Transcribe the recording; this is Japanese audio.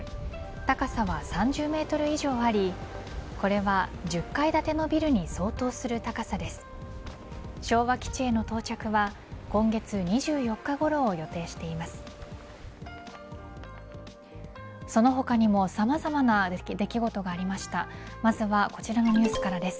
高さは３０メートル以上ありこれは１０階建てのビルに相当する高さです。